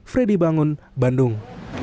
fredy bangun bandung